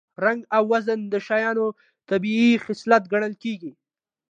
رنګ او وزن د شیانو طبیعي خصلت ګڼل کېږي